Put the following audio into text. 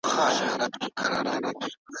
د بدن بوی د مینې ځای کې اغېز لري.